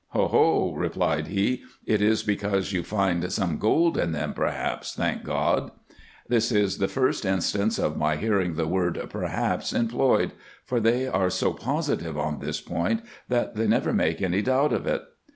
" O ho !" replied he, " it is because you find some gold in them perhaps, thank God !" This is the first instance of my hearing the word " perhaps" employed ; for they are so positive on this point, that they never make any doubt of it.